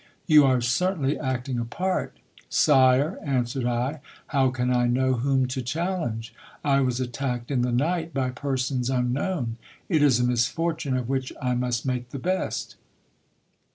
You are certainly acting a part. Sire, answered I, how can I know whom to challenge ? I was attacked in the night by persons unknown : it is a misfortune of which I must make the best.